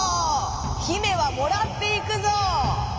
ひめはもらっていくぞ」。